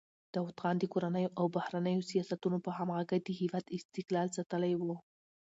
داوود خان د کورنیو او بهرنیو سیاستونو په همغږۍ د هېواد استقلال ساتلی و.